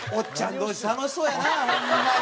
同士楽しそうやなホンマに。